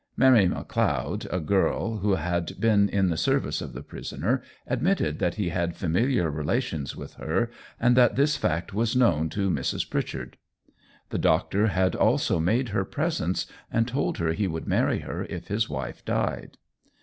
Mary McLeod, a girl who had been in the service of the prisoner, admitted that he had familiar relations with her, and that this fact was known to Mrs. Pritchard. The doctor had also made her presents, and told her he would marry her if his wife died.